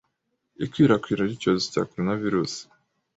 ikwirakwira ry’icyorezo cya Coronavirus,